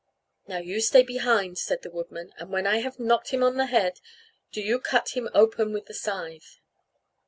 "Now do you stay behind," said the woodman; "and when I have knocked him on the head, do you cut him open with the scythe."